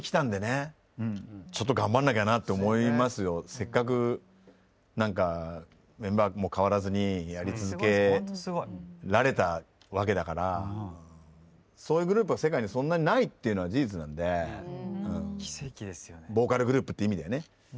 せっかく何かメンバーも変わらずにやり続けられたわけだからそういうグループは世界にそんなにないっていうのは事実なんでボーカルグループって意味でね。